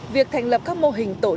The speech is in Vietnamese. việc thành lập các mô hình tổ liên